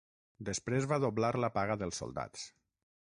Després va doblar la paga dels soldats.